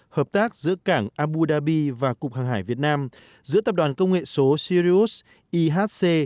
hợp tác giữa cảng abu dhabi và cục hàng hải việt nam giữa tập đoàn công nghệ số sirius ihc